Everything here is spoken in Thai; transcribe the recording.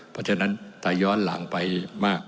เพราะฉะนั้นถ้าย้อนหลังไปมาก